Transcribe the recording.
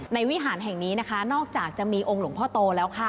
วิหารแห่งนี้นะคะนอกจากจะมีองค์หลวงพ่อโตแล้วค่ะ